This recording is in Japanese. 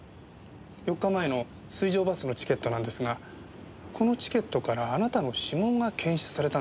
４日前の水上バスのチケットなんですがこのチケットからあなたの指紋が検出されたんですね。